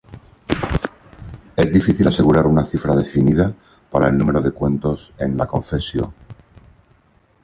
Es difícil asegurar una cifra definida para el número de cuentos en la "Confessio".